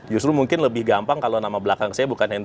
justru mungkin lebih gampang kalau nama belakang saya bukan hendra